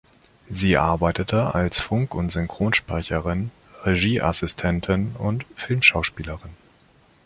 Sie arbeitete als Funk- und Synchronsprecherin, Regieassistentin und Filmschauspielerin.